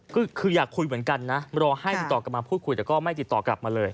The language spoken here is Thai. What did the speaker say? ก็คืออยากคุยเหมือนกันนะรอให้ติดต่อกลับมาพูดคุยแต่ก็ไม่ติดต่อกลับมาเลย